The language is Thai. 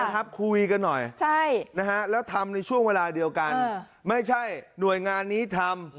ครับคุยกันหน่อยแล้วทำในช่วงเวลาเดียวกันไม่ใช่หน่วยงานนี้ทำ